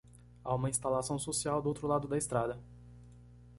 Há uma instalação social do outro lado da estrada.